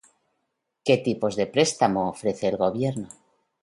¿Qué tipos de préstamo ofrece el Gobierno?